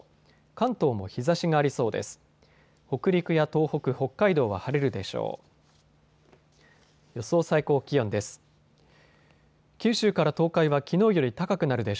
関東も日ざしがありそうです。